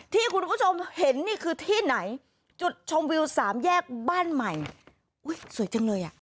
ที่คุณผู้ชมเห็นนี่คือที่ไหนจุดชมวิวสามแยกบ้านใหม่อุ้ยสวยจังเลยอ่ะ